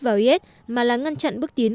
vào is mà là ngăn chặn bước tiến